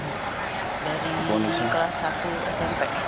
dari kelas satu smp